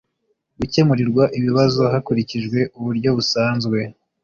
gukemurirwa ibibazo hakurikijwe uburyo busanzwe